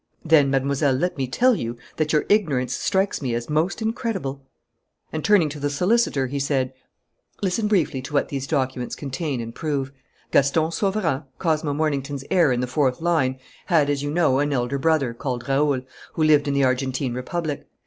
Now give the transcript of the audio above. "Then, Mademoiselle, let me tell you that your ignorance strikes me as most incredible." And, turning to the solicitor, he said: "Listen briefly to what these documents contain and prove. Gaston Sauverand, Cosmo Mornington's heir in the fourth line, had, as you know, an elder brother, called Raoul, who lived in the Argentine Republic.